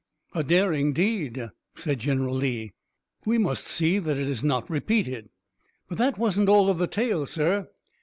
"A daring deed," said General Lee. "We must see that it is not repeated." "But that wasn't all of the tale, sir.